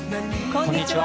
こんにちは。